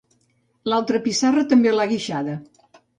L'altra pissarra també l'ha guixada.